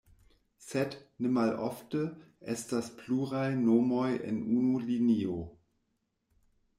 Sed, ne malofte estas pluraj nomoj en unu linio.